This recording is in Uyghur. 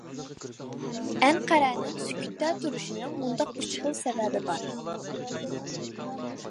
ئەنقەرەنىڭ سۈكۈتتە تۇرۇشىنىڭ مۇنداق ئۈچ خىل سەۋەبى بار.